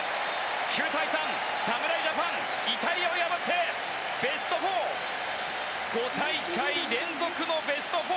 ９対３侍ジャパン、イタリアを破ってベスト４５大会連続のベスト４。